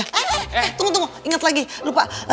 eh tunggu tunggu inget lagi lupa